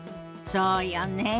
そうよね。